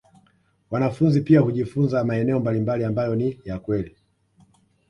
Wanafunzi pia hujifunza maeneo mbalimbali ambayo ni ya kweli